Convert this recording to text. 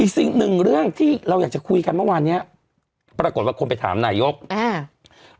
สิ่งหนึ่งเรื่องที่เราอยากจะคุยกันเมื่อวานเนี้ยปรากฏว่าคนไปถามนายกอ่า